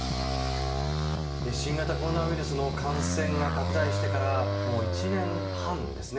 新型コロナウイルスの感染が拡大してからもう１年半です。